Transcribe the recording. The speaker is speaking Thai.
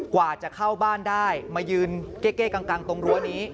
กว่าจะเข้าบ้านได้มายืนเก้กังตรงรั้วนี้